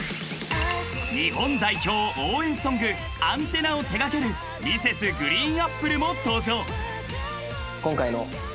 ［日本代表応援ソング『ＡＮＴＥＮＮＡ』を手掛けるＭｒｓ．ＧＲＥＥＮＡＰＰＬＥも登場］